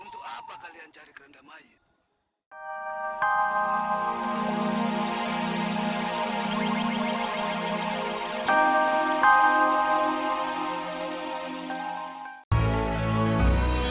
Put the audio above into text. untuk apa kalian cari kerendamait